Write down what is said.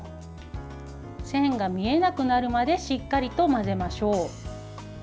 線が見えなくなるまでしっかりと混ぜましょう。